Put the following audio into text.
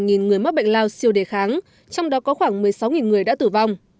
trong đó có hai mươi bảy người mắc bệnh lao siêu đề kháng trong đó có khoảng một mươi sáu người đã tử vong